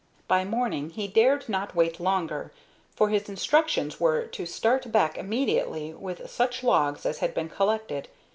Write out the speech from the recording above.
By morning he dared not wait longer, for his instructions were to start back immediately with such logs as had been collected.